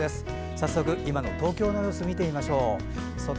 早速、今の東京の様子を見てみましょう。